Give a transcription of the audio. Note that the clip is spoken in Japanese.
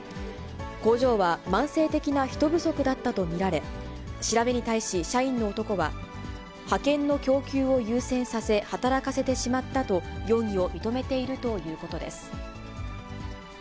工場は慢性的な人不足だったと見られ、調べに対し社員の男は、派遣の供給を優先させ、働かせてしまったと、容疑を認めているということです。